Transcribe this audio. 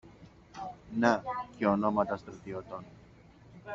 να και ονόματα στρατιωτών.